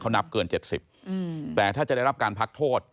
เขานับเกินเจ็ดสิบแต่ถ้าจะได้รับการพักโทษ